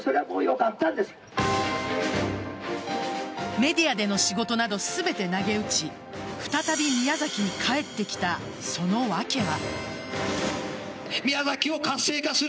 メディアでの仕事など全て投げ打ち再び宮崎に帰ってきたその訳は。